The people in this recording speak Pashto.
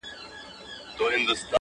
د زاړه کفن کښ زوی شنل قبرونه؛